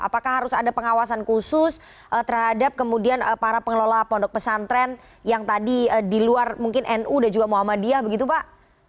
apakah harus ada pengawasan khusus terhadap kemudian para pengelola pondok pesantren yang tadi di luar mungkin nu dan juga muhammadiyah begitu pak